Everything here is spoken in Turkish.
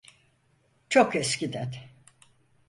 Çok eskiden.